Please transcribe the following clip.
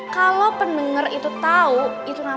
kalau pendengar itu tau itu nama lo